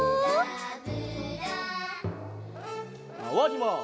まわります。